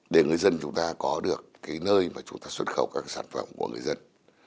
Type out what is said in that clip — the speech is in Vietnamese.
để người dân chúng ta có được cái nơi mà chúng ta xuất khẩu các sản phẩm của người dân